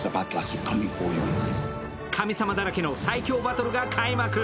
神様だらけの最強バトルが開幕。